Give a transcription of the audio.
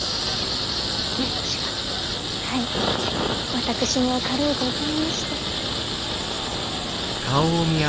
私も軽うございまして。